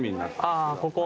ああここ？